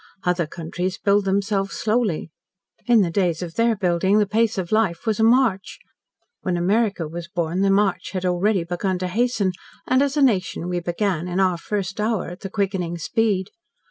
Other countries built themselves slowly. In the days of their building, the pace of life was a march. When America was born, the march had already begun to hasten, and as a nation we began, in our first hour, at the quickening speed.